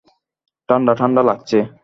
ঠাণ্ডা ঠাণ্ডা লাগছে।